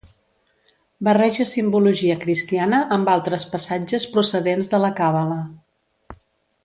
Barreja simbologia cristiana amb altres passatges procedents de la càbala.